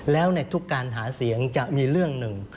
แล้วในทุกการหาเสียงจะมีเรื่องหนึ่ง